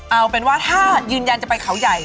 เอาเป็นว่าถ้ายืนยันจะไปเขาใหญ่